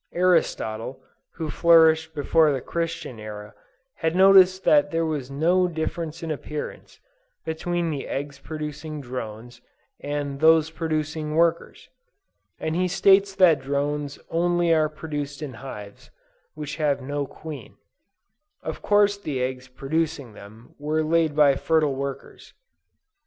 Aristotle, who flourished before the Christian era, had noticed that there was no difference in appearance, between the eggs producing drones and those producing workers; and he states that drones only are produced in hives which have no queen; of course the eggs producing them, were laid by fertile workers.